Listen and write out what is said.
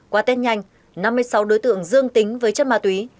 qua tết nhanh năm mươi sáu đối tượng dương tính với chất ma túy